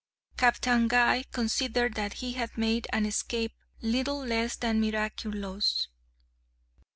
Captain Guy considered that he had made an escape little less than miraculous.